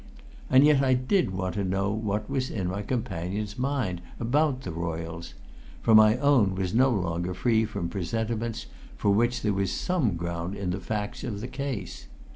And yet I did want to know what was in my companion's mind about the Royles; for my own was no longer free from presentiments for which there was some ground in the facts of the case.